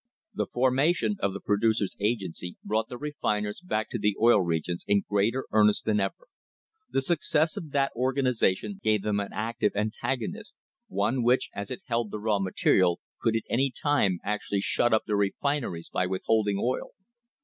The formation of the Producers' Agency brought the refin ers back to the Oil Regions in greater earnest than ever. The success of that organisation gave them an active antagonist, one which, as it held the raw material, could at any time actually shut up their refineries by withholding oil.